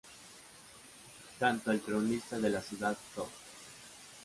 Tanto el Cronista de la ciudad, Prof.